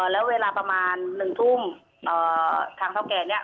แล้วเวลาประมาณ๑ทุ่มทางเท่าแก่เนี่ย